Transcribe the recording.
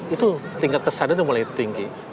itu tingkat kesadarannya mulai tinggi